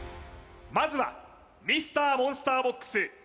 まずはＭｒ．モンスターボックス